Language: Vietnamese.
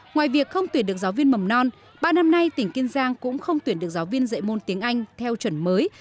ngoài việc không tuyển được giáo viên mầm non ba năm nay tỉnh kiên giang cũng không tuyển được giáo viên dạy môn tiếng anh theo chuẩn mới